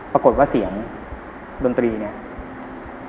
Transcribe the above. ปรากฏว่าเสียงดนตรีเนี่ย